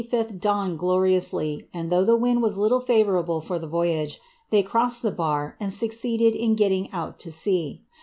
'' The morning of the 25th dawned gloriously, and though the wind was little favourable for the voyage, they crossed the bar and succeeded in gettiiig out to sea.